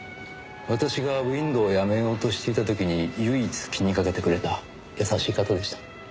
私がＷＩＮＤを辞めようとしていた時に唯一気にかけてくれた優しい方でした。